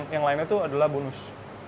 yang lainnya itu adalah bonus